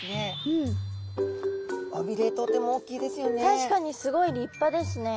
確かにすごい立派ですね。